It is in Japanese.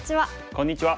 こんにちは。